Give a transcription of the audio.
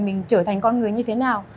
mình trở thành con người như thế nào